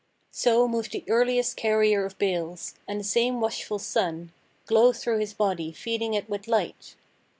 So moved the earliest carrier of bales, And the same watchful sun Glowed through his body feeding it with light.